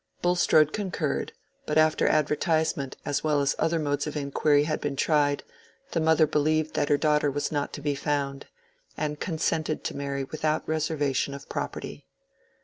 Bulstrode concurred; but after advertisement as well as other modes of inquiry had been tried, the mother believed that her daughter was not to be found, and consented to marry without reservation of property.